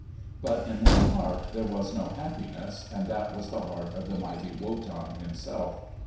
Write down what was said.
But in one heart there was no happiness, and that was the heart of the mighty Wotan himself.